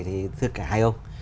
thưa cả hai ông